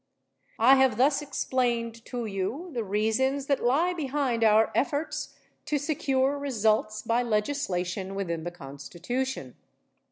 I have thus explained to you the reasons that lie behind our efforts to secure results by legislation within the Constitution.